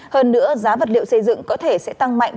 hơn nữa giá vật liệu xây dựng có thể sẽ tăng mạnh